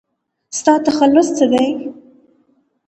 ستا تخلص څه دی ؟